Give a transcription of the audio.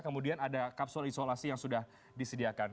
kemudian ada kapsul isolasi yang sudah disediakan